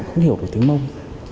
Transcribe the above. không hiểu được tiếng mông